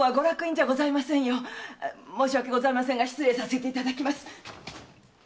申し訳ございませんが失礼させていただきます。